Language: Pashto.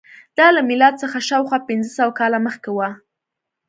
دا له میلاد څخه شاوخوا پنځه سوه کاله مخکې وه.